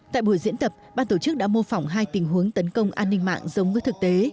tại buổi diễn tập ban tổ chức đã mô phỏng hai tình huống tấn công an ninh mạng giống với thực tế